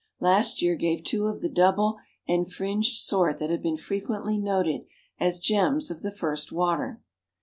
Last year gave two of the Double and Fringed sort that have been frequently noted as gems of the first water.